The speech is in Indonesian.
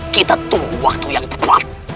kita tunggu waktu yang tepat